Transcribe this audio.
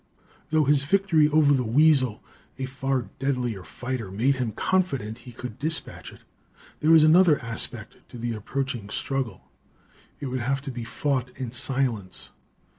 Though his victory over the weasel, a far deadlier fighter, made him confident he could dispatch it, there was another aspect to the approaching struggle. It would have to be fought in silence.